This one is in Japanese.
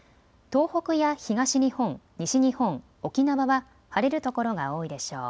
東北や東日本、西日本、沖縄は晴れる所が多いでしょう。